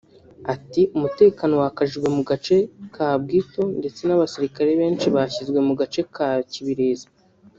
Ati “ Umutekano wakajijwe mu gace ka Bwito ndetse n’abasirikare benshi bashyizwe mu gace ka Kibirizi